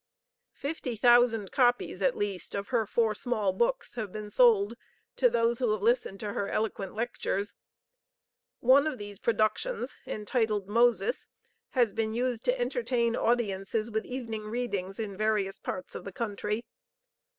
Fifty thousand copies at least of her four small books have been sold to those who have listened to her eloquent lectures. One of those productions entitled "Moses" has been used to entertain audiences with evening readings in various parts of the country.